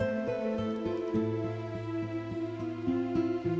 capaten di silaman yang mu wire mechain